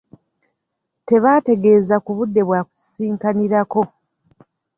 Tebaategeeza ku budde bwa kusisinkanirako.